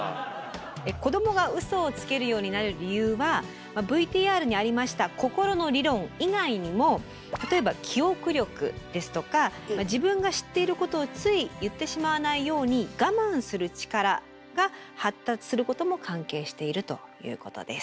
子どもがウソをつけるようになる理由はＶＴＲにありました「心の理論」以外にも例えば記憶力ですとか自分が知っていることをつい言ってしまわないようにガマンする力が発達することも関係しているということです。